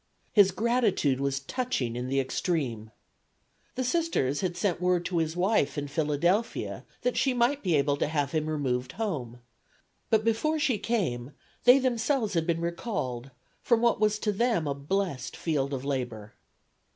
His gratitude was touching in the extreme. The Sisters had word sent to his wife in Philadelphia that she might be able to have him removed home, but before she came they themselves had been recalled from what to them was a blessed field of labor.